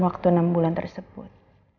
waktu enam bulan tersebut